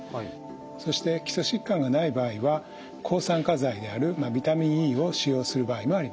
そして基礎疾患がない場合は抗酸化剤であるビタミンＥを使用する場合もあります。